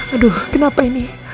aduh kenapa ini